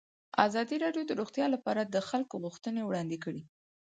ازادي راډیو د روغتیا لپاره د خلکو غوښتنې وړاندې کړي.